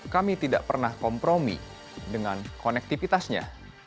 kami tidak pernah kompromi dengan konektivitasnya